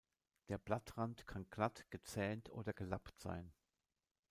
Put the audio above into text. Der Blattrand kann glatt, gezähnt oder gelappt sein.